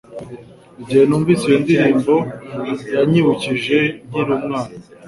Igihe numvise iyo ndirimbo yanyibukije nkiri umwana